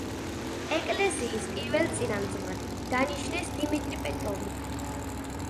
ეკლესიის პირველ წინამძღვრად დანიშნეს დიმიტრი პეტროვი.